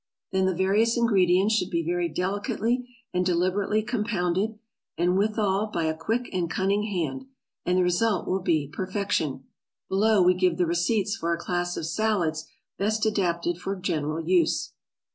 Then the various ingredients should be very delicately and deliberately compounded, and withal by a quick and cunning hand, and the result will be perfection. Below we give the receipts for a class of salads best adapted for general use.